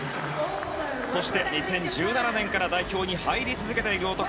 そして２０１７年から代表に入り続けている男